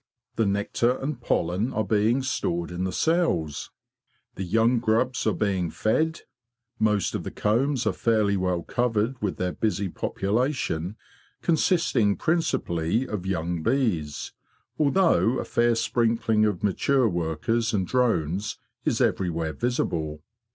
The nectar and pollen are being stored in the cells; the young grubs are HIVING A SWARM THE STORY OF THE SWARM 135 being fed; most of the combs are fairly well covered with their busy population, consisting principally of young bees, although a fair sprinkling of mature workers and drones is everywhere visible.